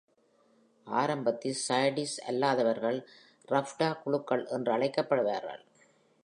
ஆரம்பத்தில் Zaydis-அல்லாதவர்கள் ரஃபிடா குழுக்கள் என்றழைக்கப்படுவார்கள்.